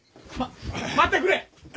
まっ待ってくれ！